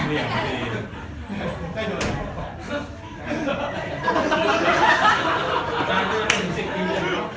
มีใครอยากจะทุกข์ไหม